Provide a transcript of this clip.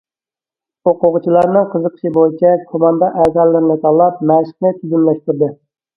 ئوقۇغۇچىلارنىڭ قىزىقىشى بويىچە كوماندا ئەزالىرىنى تاللاپ، مەشىقنى تۈزۈملەشتۈردى.